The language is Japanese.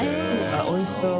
あっおいしそう！